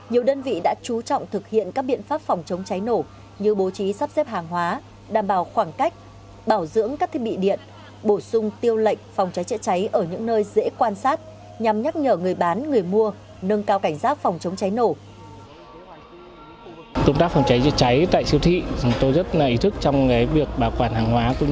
nhiều đơn vị đã chú trọng thực hiện các biện pháp phòng chống cháy nổ như bố trí sắp xếp hàng hóa đảm bảo khoảng cách bảo dưỡng các thiết bị điện bổ sung tiêu lệnh phòng cháy chữa cháy ở những nơi dễ quan sát nhằm nhắc nhở người bán người mua nâng cao cảnh giác phòng chống cháy nổ